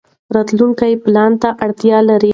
راتلونکی پلان ته اړتیا لري.